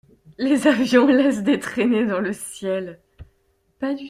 Les avions laissent des traînées dans le ciel.